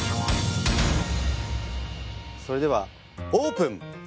それではオープン。